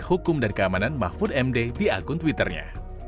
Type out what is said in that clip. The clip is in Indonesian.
hukum dan keamanan mahfud md di akun twitternya